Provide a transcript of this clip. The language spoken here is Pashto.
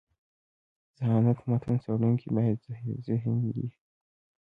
ذهانت: متن څړونکی باید ذهین يي.